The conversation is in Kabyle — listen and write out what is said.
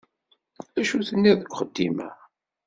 Acu tenniḍ deg uxeddim-a?